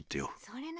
・それな。